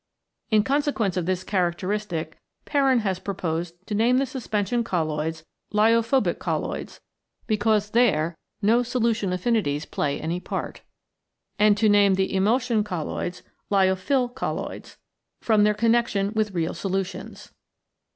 In con sequence of this characteristic Perrin has proposed to name the suspension colloids Lyophobic Colloids, because there no solution affinities play any part, and to name the emulsion colloids Lyophil Colloids from their connection with real solutions.